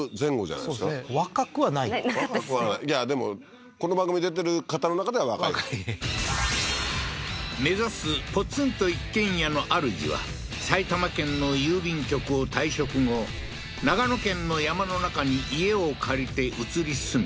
そうですね若くはない若くはないいやでもこの番組出てる方の中では若い目指すポツンと一軒家のあるじは埼玉県の郵便局を退職後長野県の山の中に家を借りて移り住み